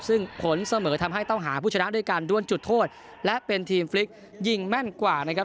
ซึ่งผลเสมอทำให้ต้องหาผู้ชนะด้วยการด้วนจุดโทษและเป็นทีมฟลิกยิงแม่นกว่านะครับ